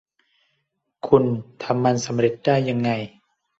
คุณทำมันสำเร็จได้ยังไง